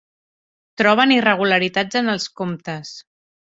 Troben irregularitats en els comptes